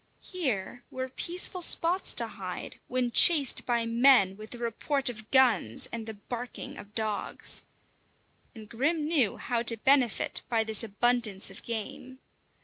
Here were peaceful spots to hide when chased by men with the report of guns and the barking of dogs. And Grim knew how to benefit by this abundance of game.